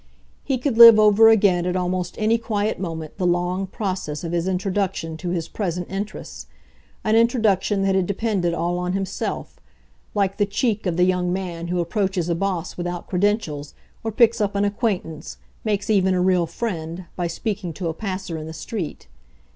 He could live over again at almost any quiet moment the long process of his introduction to his present interests an introduction that had depended all on himself, like the "cheek" of the young man who approaches a boss without credentials or picks up an acquaintance, makes even a real friend, by speaking to a passer in the street.